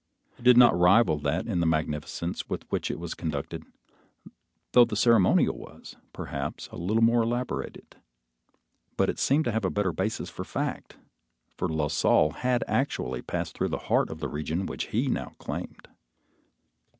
It did not rival that in the magnificence with which it was conducted, though the ceremonial was, perhaps, a little more elaborated, but it seemed to have a better basis of fact, for La Salle had actually passed through the heart of the region which he now claimed.